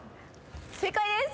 正解です。